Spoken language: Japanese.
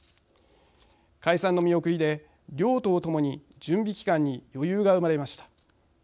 解散の見送りで両党ともに準備期間に余裕が生まれました。